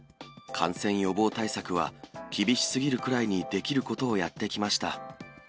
感染予防対策は厳しすぎるくらいにできることをやってきました。